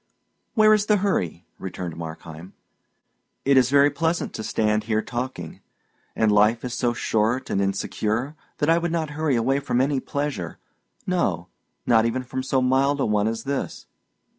"Where is the hurry?" returned Markheim. "It is very pleasant to stand here talking; and life is so short and insecure that I would not hurry away from any pleasure no, not even from so mild a one as this.